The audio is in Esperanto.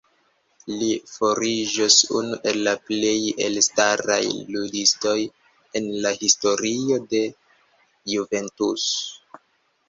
Li fariĝos unu el la plej elstaraj ludistoj en la historio de Juventus.